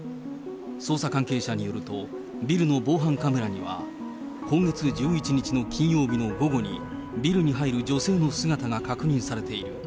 捜査関係者によると、ビルの防犯カメラには、今月１１日の金曜日の午後に、ビルに入る女性の姿が確認されている。